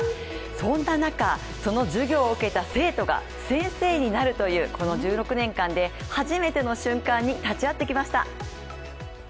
そんな中、その授業を受けた生徒が先生になるという、この１６年間で初めての瞬間に立ち会ってきました。